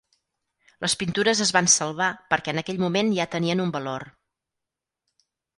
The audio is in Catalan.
Les pintures es van salvar perquè en aquell moment ja tenien un valor.